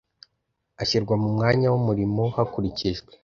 ashyirwa mu mwanya w’umurimo hakurikijwe